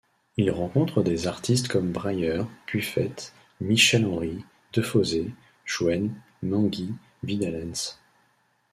Il rencontre des artistes comme Brayer, Buffet, Michel-Henry, Defossez, Jouenne, Menguy, Vidalens.